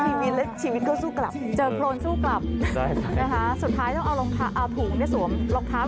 โอ้ไม่ไหวครับให้คุณดาวละกัน